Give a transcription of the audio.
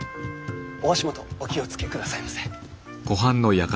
お足元お気を付けくださいませ。